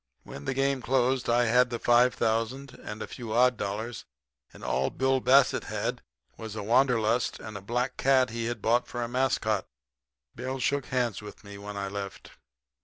"When the game closed I had the five thousand and a few odd dollars, and all Bill Bassett had was the wanderlust and a black cat he had bought for a mascot. Bill shook hands with me when I left.